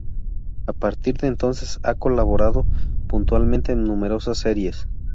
A partir de entonces ha colaborado puntualmente en numerosas series.